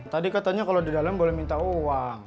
tadi katanya kalau di dalam boleh minta uang